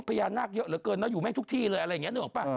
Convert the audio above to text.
พญานาคเยอะเหลือเกินอยู่แม่งทุกที่เลย